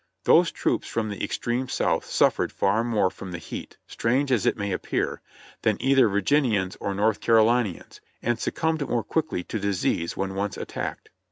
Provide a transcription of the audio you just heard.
Those troops from the extreme South suffered far more from the heat, strange as it may appear, than either Virginians or North Carolinians, and succumbed more quickly to disease when once attacked.